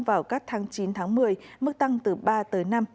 vào các tháng chín tháng một mươi mức tăng từ ba tới năm